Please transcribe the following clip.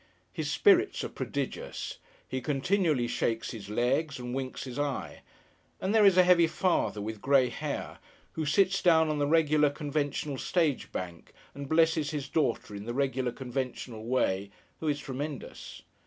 His spirits are prodigious. He continually shakes his legs, and winks his eye. And there is a heavy father with grey hair, who sits down on the regular conventional stage bank, and blesses his daughter in the regular conventional way, who is tremendous.